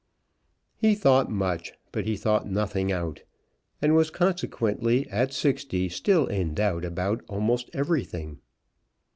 He thought much, but he thought nothing out, and was consequently at sixty still in doubt about almost everything.